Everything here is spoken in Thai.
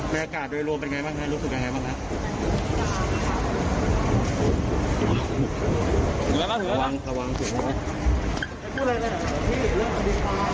อากาศโดยรวมเป็นไงบ้างฮะรู้สึกยังไงบ้างครับ